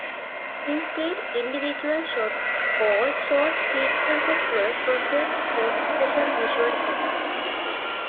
Instead, individual shots or short sequences were processed for special visual effects.